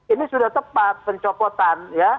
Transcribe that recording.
ini sudah tepat pencopotan ya